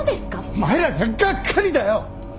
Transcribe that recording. お前らにはがっかりだよ！